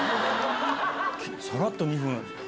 さらっと２分。